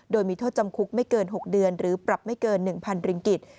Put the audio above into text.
โดยมีโทษจำคุกไม่เกิน๖เดือนหรือปรับไม่เกิน๑๐๐ริงกิจ